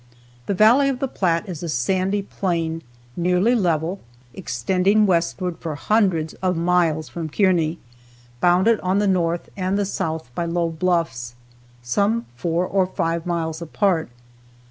The valley of the Platte is a sandy plain, nearly level, extending westward for hundreds of miles from Kearney, bounded on the north and the south by low bluffs, some four or five miles apart.